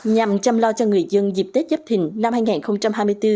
nhằm chăm lo cho người dân dịp tết giáp thình năm hai nghìn hai mươi bốn